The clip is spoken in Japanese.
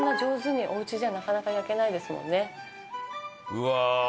「うわ！」